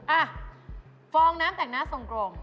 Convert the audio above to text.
อ่ะฟองน้ำแต่งหน้าทรงกรง